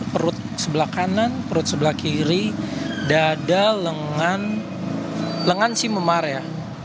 perut sebelah kanan perut sebelah kiri dada lengan lengan si memar ya